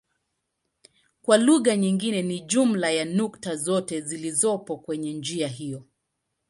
Kwa lugha nyingine ni jumla ya nukta zote zilizopo kwenye njia hiyo.